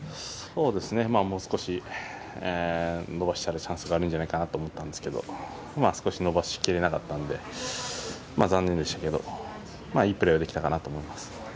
もう少し伸ばすチャンスがあったんじゃないかなと思ったんですけど少し伸ばし切れなかったので残念でしたけどいいプレーはできたかなと思います。